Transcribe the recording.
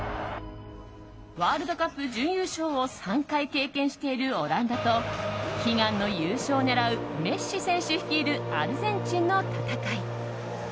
ワールドカップ準優勝を３回経験しているオランダと悲願の優勝を狙うメッシ選手率いるアルゼンチンの戦い。